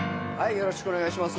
よろしくお願いします。